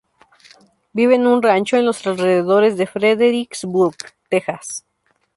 Vive en un rancho, en los alrededores de Fredericksburg, Texas.